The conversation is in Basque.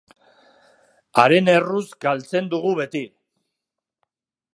Haren erruz galtzen dugu beti.